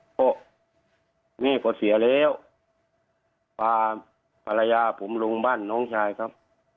ก็เง่กก็เสียแล้วปรายาท์ผมลงบ้านน้องชายครับ